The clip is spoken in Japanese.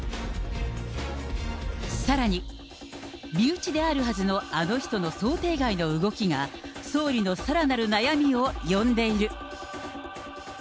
さらに、身内であるはずのあの人の想定外の動きが、総理のさらなる悩みを呼んでいる。